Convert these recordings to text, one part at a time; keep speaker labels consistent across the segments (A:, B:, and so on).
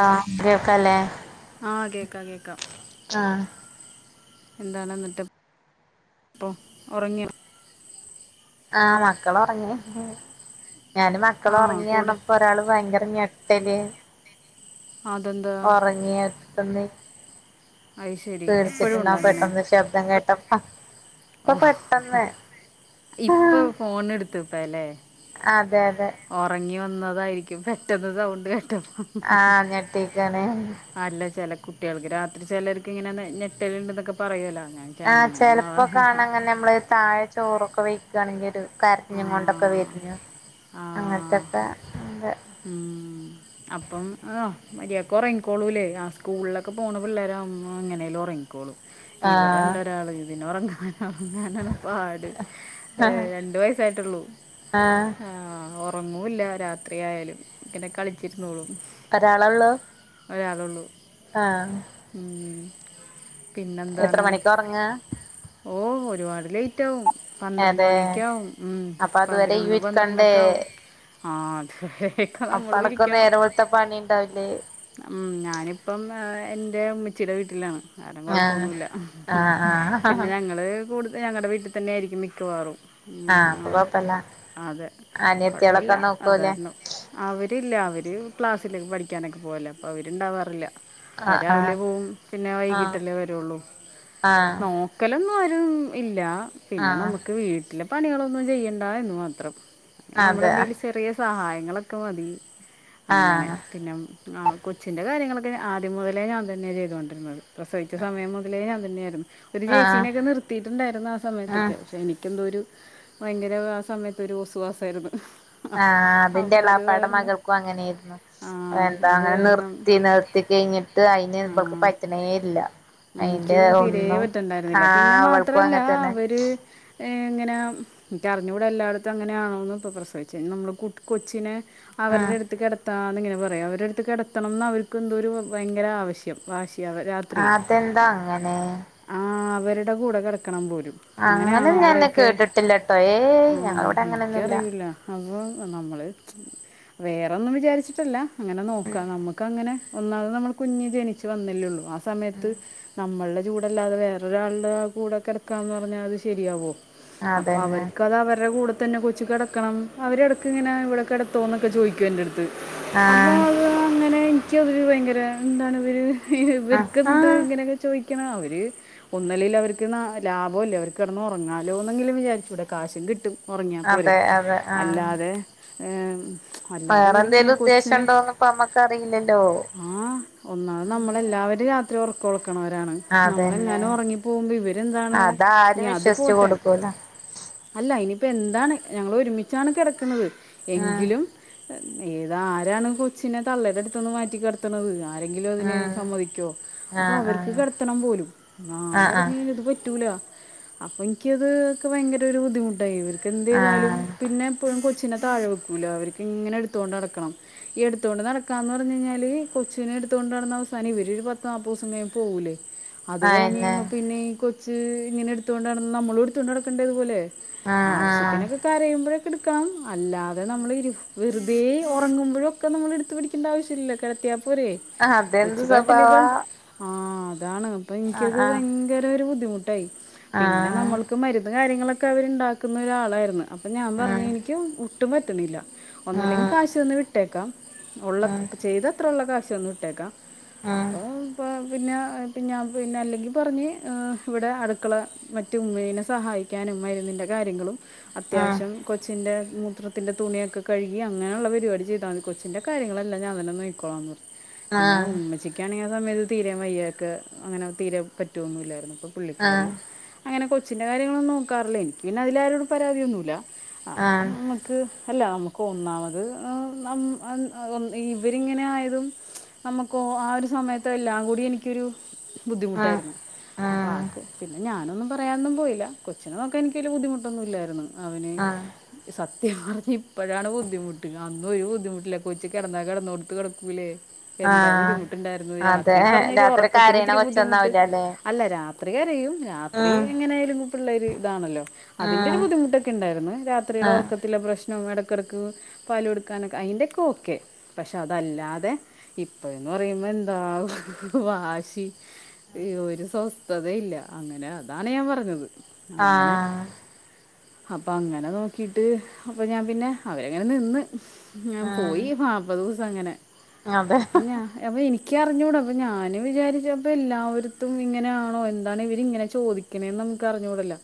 A: ആഹ് കേൾക്കാല്ലേ
B: ആഹ് കേക്കാ കേക്കാം.
A: ആഹ്.
B: എന്താണ് ന്ന്ട്ട് പ്പോ ഒറങ്യോ?
A: ആഹ മക്കളൊറങ്ങി. ഞാന് മക്കള്
B: ആ
A: ഒറങ്ങി
B: കൂടെ
A: അർണപ്പോ ഒരാള് ഭയങ്കര ഞെ [unintelligible]
B: അതെന്താ
A: ഒറങ്ങ്യടെത് ന്ന്.
B: അത് ശരി എപ്പോഴും ഉണ്ടോ
A: പേടിച്ചിട്ടിണ്ടാവും
B: അങ്ങനെ
A: പെട്ടന്ന് ശബ്ദം കേട്ടപ്പ. ഇപ്പൊ
B: ഓ
A: പെട്ടെന്ന്
B: ഇപ്പൊ ഫോൺ എട്ത്ത്പ്പ ലെ?
A: അതെ അതെ
B: ഒറങ്ങി വന്നതായിരിക്കും പെട്ടെന്ന് സൗണ്ട് കേട്ടപ്പം
A: ആഹ് ഞെട്ടിക്കാണ്
B: അല്ല ചെല കുട്ട്യാൾക്ക് രാത്രി ചെലർക്ക് ഇങ്ങനെ ഞെ ഞെട്ടല്ണ്ട് ന്നൊക്കെ പറയോലോ ഞാൻ ഞാൻ
A: ആഹ്
B: അങ്ങനെ
A: ചെലപ്പോ
B: ഒന്നും
A: കാണങ്ങനെ മ്മള് താഴെ ചോറൊക്കെ വെയ്ക്കാണെണെങ്കി ഒരു കരഞ്ഞ് കൊണ്ടൊക്കെ
B: ആ
A: വെര്ന് അങ്ങൻത്തക്കെ
B: ഊം അപ്പം ആഹ് മര്യാക്കെ ഒറങ്ങിക്കോളൂലെ ആഹ് സ്കൂൾലൊക്കെ പോണ പിള്ളേരാവുമ്പം പിള്ളേരാവ്മ്പോ എങ്ങനേലും ഒറങ്ങി കോള്
A: ആഹ്
B: ഇവിടെണ്ടൊരാള് ഇതിനോറങ്ങാന ഒറങ്ങാനാണ് പാട് ഏഹ് രണ്ടു വയസ് [unintelligible] ള്ളൂ
A: ആഹ്
B: ആഹ് ഒ ഒന്നൂല്ല രാത്രിയായാല് ഇങ്ങനെ കളിച്ചിര്ന്നോളും.
A: ഒരാളൊള്ളൂ
B: ഒരാളൊള്ളു.
A: ആഹ്
B: മ്
A: എത്ര
B: പിന്നെന്താണ്?
A: മണിക്കാ ഒറങ്ങാ
B: ഓഹ് ഒരുപാട് ലേറ്റ് ആവും പന്ത്രണ്ട്
A: അതെ
B: മണിക്യെ ആവും. മ്
A: അപ്പൊ അതുവരെ
B: പതിനൊന്ന്
A: ഇയ്യ് ഇരിക്കണ്ടേ
B: പന്ത്രണ്ടൊക്കെ ആവും ആഹ് അതെ
A: അപ്പ അണക് നേരം വെൾത്ത പണി ണ്ടാവില്ലേ?
B: ഉ ഞാനിപ്പം ഏഹ് എന്റെ ഉമ്മച്ചിടെ വീട്ട്ലാണ്. അതും
A: ആഹ്
B: കൊഴപ്പൊന്നുല്ല
A: ആഹ്
B: പിന്നെ
A: ആഹ്
B: ഞങ്ങള് കൂടുത ഞങ്ങടെ വീട്ട് ത്തന്നെ ആയിരിക്കും മിക്കവാറും. ഉം,
A: ആഹ്
B: ആ,
A: അപ്പൊ കൊഴപ്പല്ല
B: അതെ
A: അനിയത്യാള്
B: കുഴപ്പമില്ല
A: ഒക്കെ
B: അത്
A: നോക്കൂലേ.?
B: കാരണം അവരില്ല അവര് ക്ലാസ്സില് പഠിക്കാനെക്കെ പോവല അപ്പ അവര്ണ്ടാവാറില്ല. അവര്
A: ആഹ് ആഹ്
B: രാവിലെ പോവും പിന്നെ വൈകിട്ടല്ലേ
A: ആഹ്
B: വരുള്ളൂ
A: ആഹ്
B: നോ ക്കലൊന്നും ആരും ഇല്ല പിന്നെ
A: ആഹ്
B: നമുക്ക് വീട്ടിലെ പണികളൊന്നും ചെയ്യണ്ട എന്ന് മാത്രം. നമ്മള്
A: അതെ ആഹ്
B: എന്തിലും ചെറിയ സഹായങ്ങളൊക്കെ മതി അങ്ങനെ
A: ആഹ്
B: പിന്നെ മ് ആഹ് കൊച്ചിൻ്റെ കാര്യങ്ങളൊക്കെ ഞ ആദ്യം മുതലേ ഞാൻ തന്നെ ചെയ്തോണ്ടിരുന്നത് പ്രസവിച്ച സമയം മുതലേ ഞാൻ തന്നെയായ്ര്ന്ന്. ഒരു ചേച്ചീനെക്കെ
A: ഉം
B: നിർത്തിട്ട്ണ്ടായിരുന്നു ആ സമയത്തൊക്കെ പക്ഷെ എനിക്ക് എന്തോ ഒരു ഭയങ്കര ആ സമയത്ത് ഒരു ഒസുവാസ് ആയിരുന്നു.
A: ആഹ് അതിന്റെ എളാപ്പാടെ മകൾക്കു അങ്ങനെയിര്ന്നു
B: ആ
A: എന്താ
B: അത്
A: ങ്ങനെ
B: കാരണം
A: നിർത്തി നിർത്തി കയ്ഞ്ഞി ട്ട് അയിനെ ഇവൾക്ക് പറ്റ്ണേല്ല
B: മ് ക്യും തിരേ പറ്റണ്ടായിര്ന്നില്ല പിന്നെ
A: ആഹ് അവൾക്കും
B: മാത്രല്ല
A: അങ്ങൻ തന്നെ
B: അവര് ഏഹ് എങ്ങനാ ഇൻക്ക്‌ അറിഞ്ഞൂട എല്ലാട്ത്തും അങ്ങനാണോന്ന് പ്പോ പ്രസവിച്ച് കഴിഞ്ഞ നമ്മള് കുട് കൊച്ചിനെ
A: ഉം
B: അവരുടെ അടുത്ത് കെട ത്താം ഇങ്ങനെ പറയും അവരെടുത്ത് കെടത്തണന്ന് അവർക്ക് എന്തോ ഒരു ഭയങ്കര ആവശ്യം വാശി
A: അതെന്താ അങ്ങനെ?
B: ആഹ് അവരുടെ കൂടെ കെടക്കണം പോലും. അങ്ങനെയാണോ
A: അങ്ങനെന്നും ഞാന്
B: അവിടെയൊക്കെ
A: കേട്ടിട്ടില്ലട്ടോ ഏയ്‌
B: ആഹ്
A: ഞങ്ങളിവിടെ അങ്ങനെയൊന്നുല്ല.
B: [unintelligible] അപ്പൊ നമ്മള് വേറെന്നും വിചാരിച്ചിട്ടല്ല. അങ്ങനെ
A: ഉം
B: നോക്കാം നമ്മുക്കങ്ങനെ ഒന്നാമത് നമ്മളെ കുഞ്ഞ് ജനിച്ച് വന്നല്ലേള്ളൂ ആ
A: ഉം
B: സമയത്ത് നമ്മളുടെ ചൂടല്ലാതെ വേറൊരാളുടെ ആ കൂടെക്കെടക്കാന്ന് പറഞ്ഞാൽ അത് ശെരിയാവോ? അപ്പോ
A: അതന്നെ
B: അവർക്കത് അവരുടെ കൂടെ തന്നെ കൊച്ച് കെടക്കണം അവരെടക്ക്ങ്ങനെ ഇവിടെ കിടത്തോന്നൊക്കെ ചോയ്ക്കും എന്റെടുത്ത് അപ്പൊ
A: ആഹ്
B: അങ്ങനെ എനിക്കതൊരു ഭയങ്കര എന്താണ് ഇവര്
A: ആഹാ
B: ഇവർക്കെന്ത് ഇങ്ങനെയൊക്കെ ചോയ് ക്കണേ അവര് ഒന്നല്ലെല് അവര്ക്ക് ലാഭല്ലേ അവർക്ക് കെടന്ന് ഒറങ്ങാലോ. എന്തെങ്കിലും വിചാരിച്ചുടെ കാശും കിട്ടും ഒറങ്ങിയാൽ പോരെ
A: അതെ അതെ ആഹ്
B: അല്ലാതെ ഏഹ്
A: വേറെന്തേലും ഉദ്ദേശം ഉണ്ടോന്ന് ഇപ്പമ്മക്ക് അറിയില്ലല്ലോ.
B: ആഹ് ഒന്നാമത് നമ്മളെല്ലാവരും രാത്രി ഒറക്കെളക്കണവരാണ്.
A: അതന്നെ
B: നമ്മളെങ്ങാനും ഒറങ്ങി പോവുമ്പോ ഇവരെന്താണ് ഇനി
A: അതാരും
B: അത്
A: വിശ്വസിച്ചു
B: പോട്ടെ
A: കൊടുക്കൂല
B: അല്ല ഇനിയിപ്പം എന്താണ് ഞങ്ങള് ഒരുമിച്ചാണ് കെടക്കുന്നത്
A: ഉം
B: എങ്കിലും ഏത ആരാണ് കൊച്ചിനെ തള്ളയുടെ അടുത്തൊന്ന് മാറ്റി കട് ത്തണത് ആരെങ്കിലും അതിനെ
A: ഉം
B: സമ്മതിക്കോ അപ്പൊ
A: ആഹ്
B: അവർക്ക്
A: ആഹ്
B: കിടത്തണം പോലും. ന്നാം
A: ആഹ് ആഹ്
B: പറഞ് ഇത് പറ്റൂല. അപ്പോൾ എനിക്കത്ക്കെ ഭയങ്കര ഒരു ബുദ്ധിമുട്ടായി ഇവർക്ക് എന്ത്യ്താലും
A: ആഹ്
B: പിന്നെ എപ്പോഴും കൊച്ചിനെ താഴെ വെക്കൂലാ അവർക്ക് ഇങ്ങനെ എടുത്തുകൊണ്ട് നടക്കണം. എടുത്തോണ്ട് നടക്കാന്ന് പറഞ്ഞ കഴിഞ്ഞാല് കൊച്ചിനെ എടുത്തുകൊണ്ട് നടന്ന അവസാനം ഇവര് പത്ത് നാപ്പസം കഴി പോവുലെ അത് കഴിഞ്
A: അയന്നെ
B: പിന്നെ ഈ കൊച്ച് ഇങ്ങനെ എടുത്ത കൊണ്ട നടന്നാ നമ്മളും എടുത്തുണ്ട് നടക്കണ്ട അതുപോലെ
A: ആഹ് ആഹ്
B: ആവശ്യത്തിനൊക്കെ കരയുമ്പഴൊക്കെ എടുക്കണം അല്ലാതെ നമ്മൾ ഇരു വെറുതെ ഉറങ്ങുമ്പോഴും ഒക്കെ നമ്മൾ എടുത്ത് പിടി ആവശ്യല്ല കിടത്തിയാ പോരെ?
A: ആഹ് അതെന്ത് സ്വഭവാ?
B: ആഹ് അതാണ് അപ്പൊ എനിക്കത്
A: ആഹ്
B: ഭയങ്കര ഒരു ബുദ്ധിമുട്ടായി. പിന്നെ
A: ആഹ്
B: നമ്മൾക്ക് മരുന്ന് കാര്യങ്ങളൊക്കെ അവർണ്ടാക്കുന്ന ഒരാളായിര്ന്ന് അപ്പ ഞാൻ
A: ഉം
B: പറഞ്ഞ് എനിക്ക് ട്ടും പറ്റുന്നില്ല ഒന്നല്ലെങ്കിൽ
A: ഉം
B: കാശന്ന് വിട്ടേക്കാം ഉള്ള
A: ഉം
B: ചെയ്ത അത്രള്ള കാശൊന്ന് ഇട്ടേക്കാം
A: ഉം
B: അപ്പോ അപ്പോപിന്നെ പിന്നെ ഞാൻ പിന്നെ അല്ലെങ്കിൽ പറഞ്ഞ് ഇവിടെ അടുക്കള മറ്റ ഉമ്മനെ സഹായിക്കാനും മരുന്നിന്റെ കാര്യങ്ങളും
A: ഉം
B: അത്യാവശ്യം കൊ കൊച്ചിന്റെ മൂത്രത്തിൻ്റെ തുണിയൊക്കെ കഴുകി അങ്ങനെയുള്ള പരിപാടി ചെയ്താൽ കൊച്ചിന്റെ കാര്യങ്ങളല്ല ഞാൻ തന്ന നോക്കിക്കോളാ പറ പിന്നെ
A: ആഹ്
B: ഉമ്മച്ചക്ക്ണെങ്കിൽ ആ സമയത്ത് തീരെ വയ്യൊക്കെ അങ്ങനെ തീരെ പറ്റുവൊന്നുംല്ലായിരുന്നു ഇപ്പം പുള്ളിക്കാരി
A: ആഹ്
B: അങ്ങനെ കൊച്ചിൻ്റെ കാര്യങ്ങളൊന്നും നോക്കാറില്ല എനിക്ക് പിന്നെ അതില ആരോടും പരാതിന്നുല്ല ആഹ് ക്ക് അല്ല നമുക്ക് ഒന്നാമത് ഇവരിങ്ങനെ ആയതും നമുക്കോ ആ ഒരു സമയത്ത് എല്ലാം കൂടി എനി ക്കൊരു
A: ആഹ്
B: ബുദ്ധിമുട്ടായിരുന്നു അപ്പ
A: ആഹ്
B: പിന്നെ ഞാനന്നും പറ പറയാനൊന്നും പോയില്ല കൊച്ചിനെ നോക്കാൻ എനിക്ക് വലിയ ബുദ്ധിമുട്ടൊന്നും ഇല്ലായിരുന്നു അവന്
A: ആഹ്
B: സത്യം പറഞ്ഞ ഇപ്പോഴാണ് ബുദ്ധിമുട്ട് അന്നും ഒരു ബുദ്ധിമുട്ടില്ലേ കൊച്ചു കിടന്നാ കിടന്നടുത്ത് കിടക്കൂലേ. എന്താ
A: ആഹ്
B: ബുദ്ധിമുട്ടുണ്ടായിരുന്നു
A: അതെ
B: രാത്രിയും പറഞ്ഞരു
A: രാത്രി
B: ഉറക്കത്തിന്
A: കരയണ
B: ഇത്തിരി ബുദ്ധിമുട്ട്
A: കൊച്ചൊന്നാവൂലല്ലേ
B: അല്ല രാത്രി കരയും രാത്രി
A: ഉം
B: എങ്ങനെയാലും പിള്ളേർ ഇതണല്ലോ അതിന്റെ
A: ഉം
B: ഒരു ബുദ്ധിമുട്ടൊക്കെണ്ടായിരുന്നു രാത്രിയുടെ
A: ആഹ് ആഹ്
B: ഒറക്ക ള്ള പ്രശ്നം ഇടക്കിടക്ക് പാലടുക്കാനൊക്കെ അയ്ന്റെക്കെ ഒക്കെ പക്ഷെ അതല്ലാതെ ഇപ്പന്ന് പറയുമ്പോ എന്താ വാശി. ഒരു സ്വസ്ഥത ഇല്ല അങ്ങനെ അ അതാണ് ഞാൻ പറഞ്ഞത് അങ്ങനെ അപ്പ അങ്ങനെ നോക്കിട്ട് അപ്പൊ ഞാൻ പിന്നെ അവരെങ്ങനെ നിന്ന് ഞാൻ
A: ഉം
B: പോയി നാപ്പത് ദിവസം അങ്ങനെ
A: അതെ
B: അപ്പ ഞാൻ അ എനിക്ക് എനിക്കറിഞ്ഞൂട അപ്പൊ ഞാനും വിചാരിച്ചപ്പം എല്ലാവർത്തും ഇങ്ങനെയാണോ എന്താണ് ഇവരി ങ്ങനെ ചോദി കനേന്ന് നമുക്കറിഞ്ഞൂടല്ല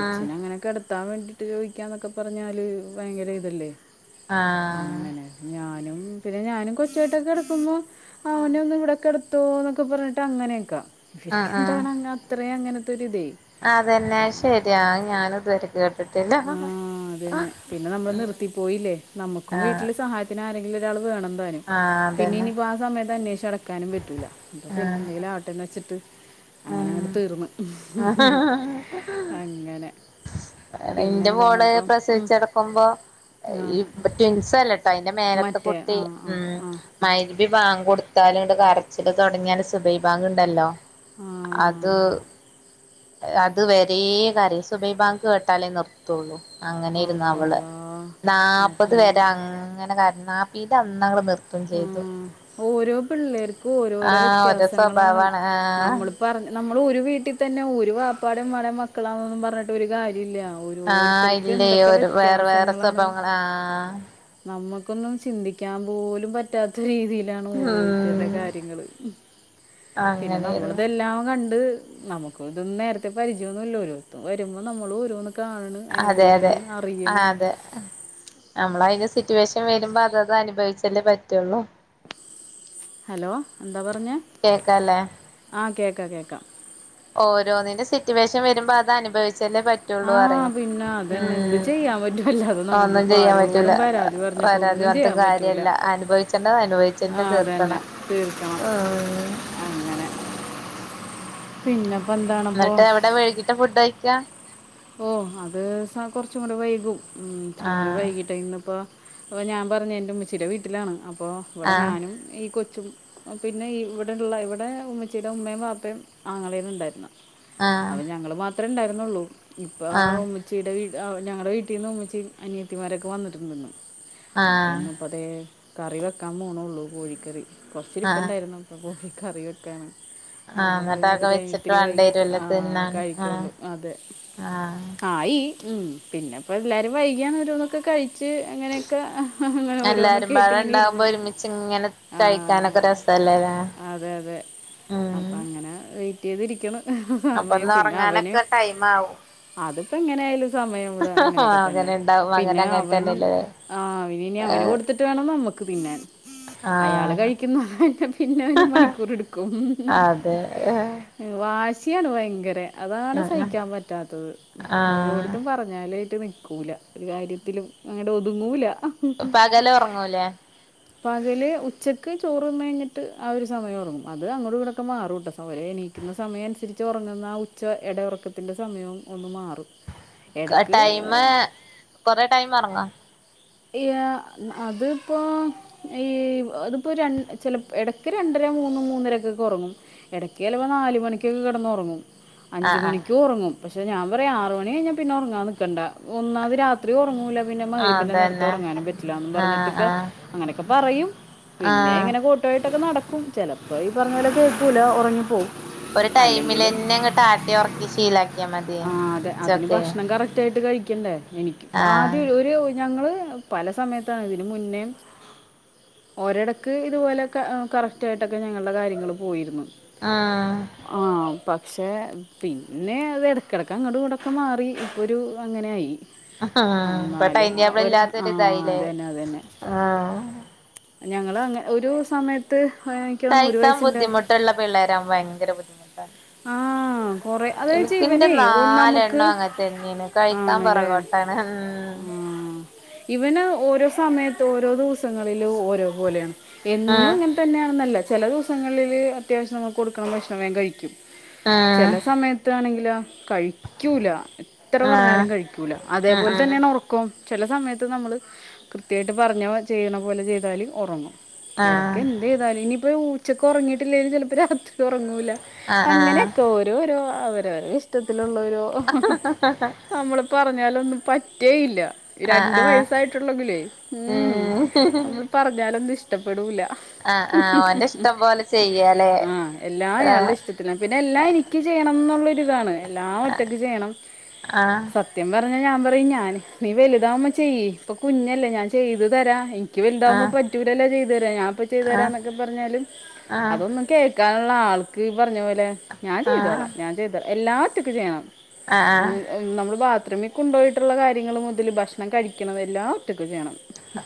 A: ഉം
B: ങ്ങനെ കിടത്താൻ വേണ്ടിയിട്ട് ചോദിക്കാ എന്നൊക്കെ പറഞ്ഞാല് ഭയങ്കര ഇതല്ലേ
A: ആഹ്
B: അങ്ങനെ ഞാനും പിന്നെ ഞാനും കൊച്ചുട്ടൊക്കെ കിടക്കുമ്പോ അവനെ ഒന്നു ഇവിടെ ക്കെട തോന്നൊക്കെ പറഞ്ഞിട്ട് അങ്ങനെയൊക്കെ
A: ഉം
B: ഇവർക്ക്ന്താണെ അത്രയും അങ്ങനത്തെ ഒരിതേ
A: അതെന്നെ ശെരിയാ ഞാനും ഇതുവരെ കേട്ടിട്ടില്ല
B: ആ അത് തന്നെ പിന്നെ നമ്മൾ
A: ഉം
B: നിർത്തി പോയില്ലേ നമ്മുക്കും
A: ആഹ്
B: വീട്ടിൽ സഹായ പിന്നെ ആരെങ്കിലു ഒരാൾ വേണംതാനും
A: ആഹ്
B: പിന്നെ
A: അതന്നെ
B: ഇനിയിപ്പോ ആഹ് സമയത്ത് അന്വേഷിച്ച് നടക്കാനും പറ്റൂല അപ്പൊ പിന്നെ
A: ആഹ്
B: എന്തെങ്കിലും ആട്ടേന്ന് വെച്ചിട്ട് അങ്ങനെ അങ്ങട് തീർന്ന്
A: ആഹ
B: അങ്ങനെ
A: ഇന്റെ
B: പിന്നെന്താണ്
A: മോള്
B: അപ്പം ഉം.
A: പ്രസവിച്ച് കടക്കുമ്പോ
B: ആ
A: ഇപ്പം ട്വിൻസല്ലട്ടോ അയിന്റെ മേലത്തെ
B: മറ്റേ
A: കുട്ടി
B: ആ ആ
A: ഉം
B: ആ
A: മഅരിബി ബാങ്ക് ങ്കൊടുത്താൽ ഇണ്ട് കരച്ചില് തുടങ്ങിയാല് സുബൈഹി ബാങ്കുണ്ടല്ലോ
B: ആഹ്
A: അത് അത് വരേ കരയും സുബൈഹി ബാങ്ക് കേട്ടാലേ നിർത്തുള്ളൂ
B: ആ
A: അങ്ങനാരുന്നു അവള്
B: അല്ലല്ല
A: നാല്പത്
B: അതാണ്
A: വരെ അങ്ങനെ കര നാപ്പീന്റന്നവള് നിർ
B: ആഹ് ഓരോ പിള്ളേർക്കും ഓരോരോ
A: ആഹ് ഓരോ
B: വ്യത്യാസങ്ങളാണ്
A: സ്വഭാവാണ് ആഹ്
B: നമ്മളിപ പറഞ്ഞ നമ്മൾ ഒരു വീട്ടിൽ തന്നെ ഒരു വപ്പാടെം ഉമ്മാടേംമക്കളാണെന്നൊന്നും പറഞ്ഞിട്ട് ഒരു കാര്യല്ല
A: ആഹ് ഇല്ലേ ഒരു വേറെ വേറെ സ്വഭവങ്ങളാ ആഹ്
B: നമ്മുക്കൊന്നും ചിന്തിക്കാൻ പോലും റ്റാത്ത രീതിയിലാണ് ഓരോരുത്തരുടെ
A: ഉം
B: കാര്യങ്ങള് പിന്നെ
A: അങ്ങനേര്ന്നു
B: നമ്മളിതെല്ലാം കണ്ട് നമുക്ക് ഇതൊന്നും നേരത്തെ പരിചയൊന്നുമില്ലല്ലോ ഒരുോത്തും വരുമ്പോ നമ്മളും ഓരോന്ന് കാണണ്
A: അതെ അതെ
B: അനുഭവിക്കണ് അറിയണ്
A: നമ്മള അതിന് സിറ്റുവേഷൻ വരുമ്പോ അത് അത് അനുഭവിച്ചല്ലേ പറ്റുള്ളൂ
B: ഹലോ എന്താ പറഞ്ഞേ
A: കേക്കാല്ലേ
B: ആഹ് കേക്കാം കേക്കാം
A: ഓരോന്നിന്റെ സിറ്റുവേഷൻ വരുമ്പോ അത് അനുഭവിച്ചല്ലേ പറ്റ റ്റുളളൂ
B: ആ
A: റയ
B: പിന്നെ അതന്നെ എന്ത്
A: ഉം
B: ചെയ്യാൻ പറ്റുമല്ല അത്
A: ഒന്നും
B: നമുക്കിപ്പോൾ
A: ചെയ്യാൻ പറ്റൂല
B: ആരോടും പരാതി പറഞ്ഞിട്ട്
A: വരാതി
B: ഒന്നും
A: പറഞ്ഞിട്ടും
B: ചെയ്യാൻ പറ്റൂല
A: കാര്യല്ല അനുഭവിച്ചേണ്ട അനുഭവിച്ചു ചെന്ന
B: ആ
A: തീർക്കണ
B: അതന്നെ തീർക്കണം
A: ഉം
B: അങ്ങനെ പിന്നപ്പോൾ
A: ന്നിട്ട്
B: എന്താണപ്പോൾ
A: എവിടെ വൈകിട്ട ഫുഡ് അയക്കാ
B: ഓ അത് സ കുറച്ചും കൂടി വൈകും ഇത്തിരി കൂടി
A: ആഹ്
B: വൈകീട്ടാ ഇന്നിപ്പ ഓ അപ്പൊ ഞാൻ പറഞ്ഞു എന്റെ ഉമ്മച്ചിടെ വീട്ടിലാണ് അപ്പോ ഇവിടെ
A: ആഹ്
B: ഞാനും ഈ കൊച്ചും പിന്നെ ഇവിടുള്ള ഇവിടെ ഉമ്മച്ചീടെ ഉമ്മയും വാപ്പയും ആങ്ങളേയുണ് ഉണ്ടായിരുന്ന
A: ആഹ്
B: അപ്പ ഞങ്ങള് മാത്രേ ഇണ്ടായിരുന്നുള്ളൂ ഇപ്പ ഉമ്മ
A: ആഹ്
B: ഉമ്മിച്ചിയുടെ വീ ഞങ്ങളുടെ വീട്ടിൽ നിന്ന് ഉമ്മിച്ചി അനിയത്തിമാരൊക്കെ വന്നിട്ടുണ്ട് ഇന്ന് അപ്പം
A: ആഹ്
B: ഇന്ന് പ്പ ദേ കറി വെക്കാൻ പോണെഉള്ളൂ കോഴിക്കറി
A: ആഹ്
B: കുറച്ചിരിപ്പ്ണ്ടായിരുന്നു ഇപ്പോ കോഴി കറി വെക്കാന് അപ്പ
A: ആഹ്
B: പിന്നെ അത്
A: എന്നിട്ടതൊക്കെ
B: കഴിഞ്ഞു
A: വെച്ചിട്ട്
B: ഇത്തിരി
A: വേണ്ടി
B: വൈകിട്ട്
A: വരുവല്ലേ
B: ആഹ്
A: തിന്നാൻ ആഹ്
B: കഴിക്കുള്ളൂ അതെ
A: ആഹ്
B: ആയി ഉം പിന്നെപ്പോ എല്ലാരും വൈകിയാണ്‌ ഓരോന്നൊക്കെ കഴിച്ച് അങ്ങനെക്ക അങ്ങനെ
A: എല്ലാരും
B: ഓരോന്നൊക്കെ
A: പാടെ
B: ആയിട്ടിങ്ങനെ
A: ഉണ്ടാവുമ്പോ
B: ഇരുന്നു
A: ഒരുമിച്ച് ഇങ്ങനെ കഴിക്കാനൊക്കെ
B: ആഹ്
A: രസല്ലേല്ലേ
B: അതെ അതെ
A: ഉം
B: അപ്പം അങ്ങനെ വെയിറ്റ് ചെയ്തിരിക്കിണ് സമയം പിന്നെ അവന്
A: മാവൂ
B: അതിപ്പോ എങ്ങനെ ആയാലും സമയം ഇവിടെ അങ്ങനെയൊക്കെ തന്നെ
A: അങ്ങനെ ഉണ്ടാവും അങ്ങനെ
B: പിന്നെ
A: അങ്ങനെ
B: അവൻ
A: തന്നെല്ലേ
B: ആഹ് പിന്നിനീ അവന് കൊടുത്തിട്ട് വേണം നമ്മുക്ക് തിന്നാൻ അയാള്
A: ആഹ്
B: കഴിക്കുന്നത് പിന്നെ പിന്നെ ഒരു മണിക്കൂർ എടുക്കും
A: അതെ
B: വാശിയാണ് വയങ്കരെ അതാണ് സഹിക്കാൻ പറ്റാത്തത്
A: ആഹ്
B: ഒരോട്ത്തും. പറഞ്ഞാലായിട്ട് നിക്കൂല്ല ഒരു കാര്യത്തിലും അങ്ങട്ട് ഒതുങ്ങൂല്ല. He he.
A: പകല് ഉറങ്ങൂലേ
B: പകല് ഉച്ചക്ക് ചോറ് ന്നയ്ഞ്ഞിട്ട് ആഹ് ഒരു സമയം ഒറങ്ങും അത് അങ്ങടും ഇങ്ങടൊക്കെ മാറൂട്ടോ സമയ എനി സമയം അനുസരിച്ച് ഉറങ്ങുന്ന ആഹ് ഉച്ച എട ഉറക്കത്തിന്റെ സമയോം ഒന്ന് മാറും.
A: ക
B: ഇടക്ക്
A: ടൈമ് കൊറെ ടൈമ് ഒറങ്ങോ.
B: ഇയാ അതിപ്പോ. ഈ അതിപ്പോ രണ്ട് ചെല എടക്ക് രണ്ടര മൂന്ന് മൂന്നരക്കൊക്കെ ഒറങ്ങും. എടക്ക് ചെലപം നാല് മണിക്കൊക്കെ കെടന്നൊറങ്ങും. അഞ്ച്
A: ആഹ് ആഹ്
B: മണിക്കും ഒറങ്ങും പക്ഷെ ഞാൻപറയും ആറ് മണി കയിഞ്ഞാ പിന്നെ ഒറങ്ങാൻ നിക്കണ്ട ഒന്നാത് രാത്രി. രാത്രി ഒറങ്ങൂല പിന്നെ മഹ്
A: ആഹ്
B: രിബിന്റെ നേരത്ത്
A: അതന്നെ
B: ഉറങ്ങാനും പറ്റില്ലാന്ന്
A: ആഹ്
B: പറഞ്ഞിട്ടൊക്കെ
A: ആഹ്
B: അങ്ങനെക്കെ പറയും. പിന്നെ
A: ആഹ്
B: ഇങ്ങനെ കോട്ട് വായിട്ടൊക്കെ നടക്കും ചിലപ്പോ ഈ പറഞ്ഞ പോലെ കേക്കൂലാ ഒറങ്ങിപ്പോവും.
A: ഒരു ടൈമിലന്നെ ങ്ങട്ട് ആട്ടി ഒറക്കി ശീലക്കിയാ മതി ഉച്ചക്കെ.
B: ത്യായിട്ട് കഴിക്കണ്ടേ എനിക്ക് ആദ്യം ഒരു ഒര് ഞങ്ങള്. പല സമയത്താണ് ഇതിന് മുന്നേം. ഒരെടക്ക് ഇതുപോലെക്കെ കറക്റ്റായിട്ടൊക്കെ ഞങ്ങൾടെ കാര്യങ്ങൾ പോയിരുന്നു.
A: ആഹ്.
B: ആഹ് പക്ഷേ പിന്നെ അത് എടക്കെടക്ക് അങ്ങട്ടും ഇങ്ങട്ടും ഒക്കെ മാറി ഇപ്പൊരു അങ്ങനെയായി.
A: ഇപ്പൊ ടൈം
B: അന്നാലും ആഹ്
A: ടേബിൾ
B: ഒരാ
A: ഇല്ലാത്തൊരി
B: ആഹ്
A: ഇതായില്ലേ
B: അതന്നെ, അതന്നെ ഞങ്ങള് അങ്ങ ഒരു സമയത്ത്. തോന്നുന്നു ഒരു
A: കഴിക്കാൻ
B: വയസ്സിൻ്റെ
A: ബുദ്ധിമുട്ടുള്ള പിള്ളേരാവും വയങ്കര ബുദ്ധിമുട്ടാ.
B: ആ കുറേ അതായത്
A: എനിക്ന്റെ
B: ഇവനേ നമുക്ക്
A: നാലെണ്ണോം അങ്ങത്തന്നേണ് കഴിക്കാൻ
B: ആണല്ലേ
A: പൊറകോ തണ മ്
B: ആ. ഇവന് ഓരോ സമയത്ത് ഓരോ ദിവസങ്ങളില് ഓരോ പോലെയാണ് എന്നും
A: ഉം
B: ങ്ങ തന്നെയാണെന്നല്ല ചെല ദിവസങ്ങളില് അത്യാവശ്യം നമ്മള് കൊടുക്ക്ണ ഭക്ഷണം വേം കഴിക്കും.
A: ഉം
B: ചെല സമയത്താണെങ്കിലോ കഴിക്കൂലാ. എത്ര
A: ഉം ആഹ്
B: പറഞ്ഞാലും കഴിക്കൂല
A: ഉം
B: അതേപോലെ
A: ഉം
B: തന്നെണ് ഒറക്കോം ചെല സമയ ത്ത് നമ്മള് കൃത്യായിട്ട് പറഞ്ഞ ചെയ്യണ പോലെ ചെയ്താല് ഒറങ്ങും
A: ആഹ്
B: എടക്ക് എ തെതാലും ഇനിയിപ്പോ ഊച്ചക്ക് ഒറങ്ങീട്ടില്ലേലും ചെലപ്പോ രാത്രി ഒറങ്ങൂല
A: ആഹ് ആഹ്
B: അങ്ങനെയൊക്കെ ഓ രോരോ അവരവരെ ഇഷ്ട്ടത്തിലുള്ളൊരു നമ്മള് പറഞ്ഞാലൊന്നും പറ്റേയില്ല ര
A: ആഹ് ആഹ്
B: വയസായിട്ടുള്ളെങ്കിലേ ഹും
A: ഉം
B: നമ്മൾ പറഞ്ഞാലൊന്നും ഇഷ്ടപ്പെടൂല.
A: ആഹ് ആഹ് ഓന്റെ ഇഷ്ടം പോലെ ചെയ്യാലേ
B: ആഹ് എല്ലാ അയാളടെ
A: ആഹ്
B: ഇഷ്ട പിന്നെ പിന്നെ എല്ലാം എനിക്ക് ചെയ്യണം ന്നുള്ളൊരു ഇതാണ് എല്ലാ ഒറ്റക്ക് ചെയ്യണം
A: ആഹ്
B: സ ത്യം പറഞ്ഞാ ഞാൻ പറയും ഞാൻ നീ വലുതാവുമ്പ ചെയ്യി ഇപ്പൊ കുഞ്ഞല്ലേ ഞാൻ ചെയ്തു തരാ ഇ ക്ക് വലുതാവുമ്പോ
A: ആഹ്
B: പറ്റൂലല്ലോ ചെയ്തു തരാന് ഞാപ്പോ
A: ആഹ്
B: ചെയ്തുതരാന്നക്കെ പറഞ്ഞാലും
A: ആഹ്
B: അതൊന്നും കേ ക്കാന്ള്ള ആൾക്ക് ഈ പറഞ്ഞ പോലെ ഞാൻ
A: ആഹ്
B: ചെയ്തോളാം ഞാൻ ചെയ്തോള എല്ലാ ഒറ്റക്ക് ചെയ്യണം.
A: ആഹ് ആഹ്
B: നമ്മള് ബാത്റൂമി കൊണ്ടുപോയിട്ട്ള്ള കാര്യങ്ങള് മുതല് ഭക്ഷ ണം കഴിക്ക്ണത് എല്ലാം ഒറ്റക്ക് ചെയ്യണം.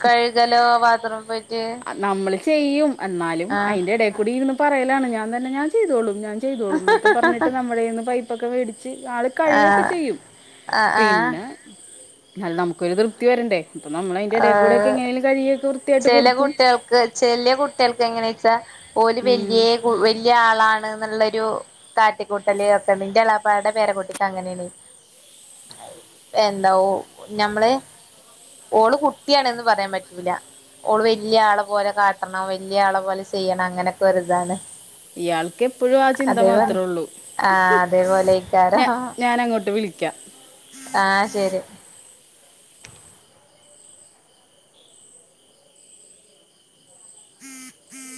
A: കഴ്കലോ വാത്റൂമ് പോയിറ്റ്?
B: നമ്മള് ചെയ്യും എന്നാലും അയിന്റെ എടെ കൂടി ഇര്ന്ന് പറയലാണ് ഞാൻ തന്നെ ഞാൻ ചെയ്തോളും ഞാൻ ചെയ്തോളും ന്നൊക്കെ പറഞ്ഞിട്ട് നമ്മളെന്ന് പൈപ്പൊക്കെ വേടിച്ച് ആള് കഴ്കൊക്കെ
A: ആഹ്
B: ചെയ്യും
A: ആഹ് ആഹ്
B: പിന്നെ ന്നലും നമുക്കൊരു തൃപ്തി വരണ്ടേ. അപ്പം നമ്മൾ അതിൻ്റെ ഇടയിൽ കൂടെ ഒക്കെ
A: ആഹ്
B: എങ്ങനെയും കഴുകിയൊക്കെ വൃത്തിയായിട്ട്
A: ചെല
B: കൊടുക്കും
A: കുട്ട്യൾക്ക് ചെലെ കുട്ട്യൾക്ക് എങ്ങനെച്ചാ ഓല്
B: ഉം.
A: വല്ല്യേ വല്ല്യ ആളാണ് ന്ന്ള്ളൊരു കാട്ടിക്കൂട്ടല് ഒക്കണ്ട് ന്റെ എളാപ്പാടെ പേര കുട്ടിക്ക് അങ്ങനേണ്. എന്ത ഓഹ് ഞമ്മള് ഓള് കുട്ടിയാണന്ന് പറയാ പറ്റൂല. ഓള് വെല്ല്യാളെ പോലെ കാട്ടണം, വെല്ല്യാളെ പോലെ ചെയ്യണം അങ്ങനെക്കെ ഒര് താണ്.
B: ഇയാൾക്കെപ്പഴും ആ ചിന്ത മാത്രള്ളു.
A: ആഹ്
B: ഞ
A: അതേപോലെയ്ക്കാരം
B: ഞാനങ്ങോട്ട് വിളിക്കാം.
A: ആഹ് ശരി
B: [inaudible]